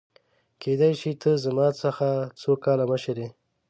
کيدای شي ته زما څخه څو کاله مشر يې !؟